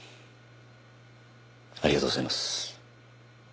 ありがとうございます。